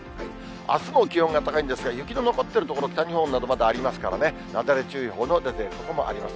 あすも気温が高いんですが、雪の残っている所、北日本などまだありますからね、なだれ注意報の出ている所もあります。